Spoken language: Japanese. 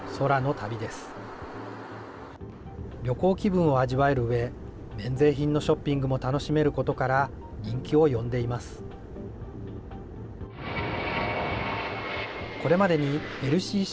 旅行気分を味わえるうえ、免税品のショッピングも楽しめることから、人気を呼んでいます。